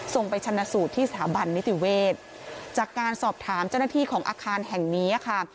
ไปชนะสูตรที่สถาบันนิติเวศจากการสอบถามเจ้าหน้าที่ของอาคารแห่งนี้ค่ะ